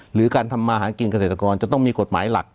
หรือการทำมาหากินเกษตรกรจะต้องมีกฎหมายหลัก